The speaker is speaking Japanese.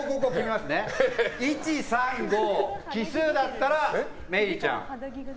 １、３、５、奇数だったら萌衣里ちゃん。